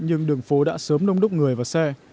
nhưng đường phố đã sớm đông đúc người và xe